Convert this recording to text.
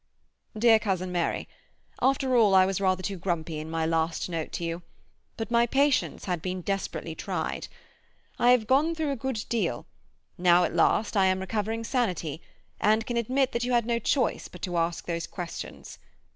"DEAR COUSIN MARY,—After all I was rather too grumpy in my last note to you. But my patience had been desperately tried. I have gone through a good deal; now at last I am recovering sanity, and can admit that you had no choice but to ask those questions.